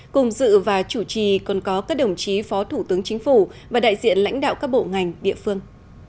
cùng dự và chủ trì còn có các đồng chí phó thủ tướng chính phủ và đại diện lãnh đạo các bộ ngành địa phương